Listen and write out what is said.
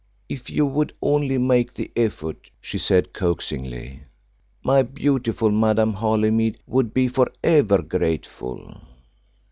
"If you would only make the effort," she said coaxingly, "my beautiful Madame Holymead would be for ever grateful."